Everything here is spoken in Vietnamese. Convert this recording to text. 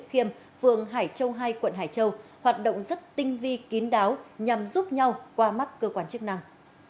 khiêm phường hải châu hai quận hải châu hoạt động rất tinh vi kín đáo nhằm giúp nhau qua mắt cơ quan chức năng